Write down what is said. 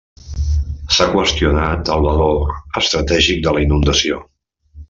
S'ha qüestionat el valor estratègic de la inundació.